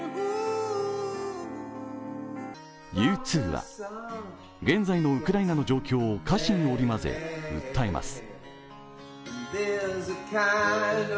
Ｕ２は現在のウクライナの状況を歌詞に織り交ぜ訴えます。